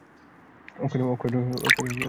অক্ষয়ের ধৈর্যের অভাব ছিল না।